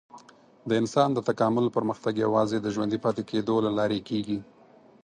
د انسان د تکامل پرمختګ یوازې د ژوندي پاتې کېدو له لارې کېږي.